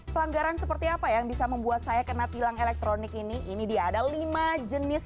pelanggaran seperti apa yang bisa membuat saya kena tilang elektronik ini ini dia ada lima jenis